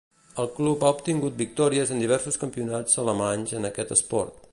El club ha obtingut victòries en diversos campionats alemanys en aquest esport.